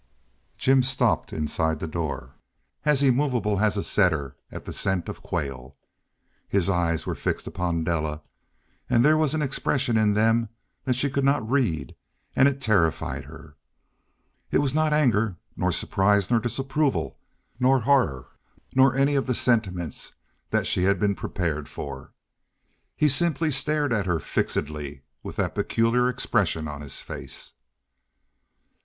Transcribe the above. Jim stopped inside the door, as immovable as a setter at the scent of quail. His eyes were fixed upon Della, and there was an expression in them that she could not read, and it terrified her. It was not anger, nor surprise, nor disapproval, nor horror, nor any of the sentiments that she had been prepared for. He simply stared at her fixedly with that peculiar expression on his face.